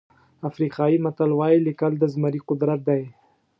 افریقایي متل وایي لیکل د زمري قدرت دی.